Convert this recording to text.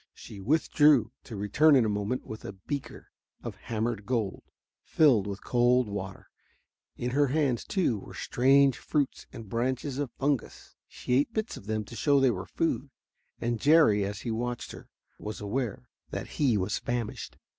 She withdrew, to return in a moment with a beaker of hammered gold, filled with cold water. In her hands, too, were strange fruits and branches of fungus. She ate bits of them to show they were food. And Jerry, as he watched her, was aware that he was famished.